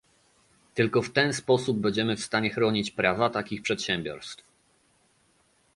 Tylko w ten sposób będziemy w stanie chronić prawa takich przedsiębiorstw